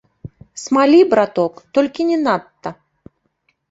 Смалі, браток, толькі не надта.